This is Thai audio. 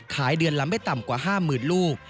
ขายเดือนละไม่ต่ำกว่า๕๐๐๐ลูก